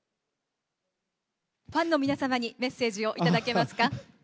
ファンの皆様にメッセージを頂けますか。